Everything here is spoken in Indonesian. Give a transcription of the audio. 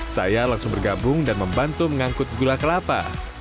saya langsung bergabung dan membantu mengangkut gula kelapa